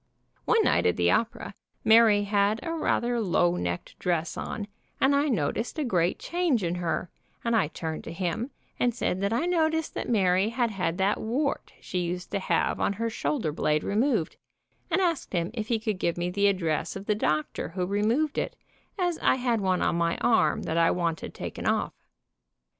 One night at the opera, Mary had a rather low necked dress on, and I noticed a great change in her, and I turned to him and said that I noticed that Mary had had that wart she used to have on her shoulder blade removed, and asked him if he could give me the address of the doctor who removed it, as I had one on my arm that I wanted taken off.